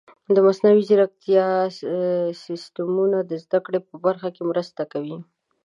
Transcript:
د مصنوعي ځیرکتیا سیستمونه د زده کړو په برخه کې مرسته کوي.